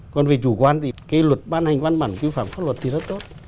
còn về chủ quan thì cái luật ban hành văn bản quy phạm pháp luật thì rất tốt